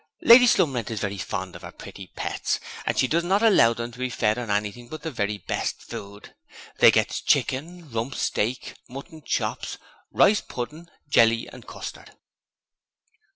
Lady Slumrent is very fond of her pretty pets and she does not allow them to be fed on anything but the very best food; they gets chicken, rump steak, mutton chops, rice pudding, jelly and custard.'